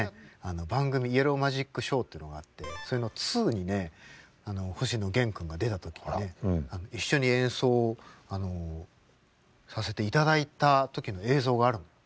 番組「イエローマジックショー」というのがあってそれの２にね星野源君が出た時にね一緒に演奏をさせていただいた時の映像があるのよ。